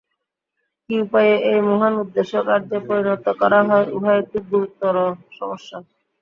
কি উপায়ে এই মহান উদ্দেশ্য কার্যে পরিণত করা যায়, ইহা একটি গুরুতর সমস্যা।